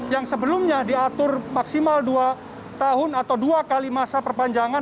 yang sebelumnya diatur maksimal dua tahun atau dua kali masa perpanjangan